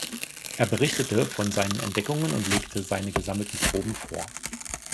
Er berichtete von seinen Entdeckungen und legte seine gesammelten Proben vor.